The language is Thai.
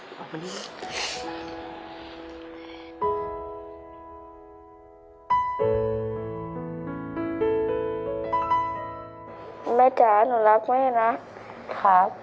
แม่จ๋าหนูรักแม่นะครับ